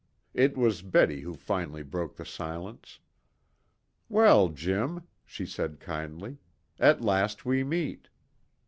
It was Betty who finally broke the silence. "Well, Jim," she said kindly, "at last we meet."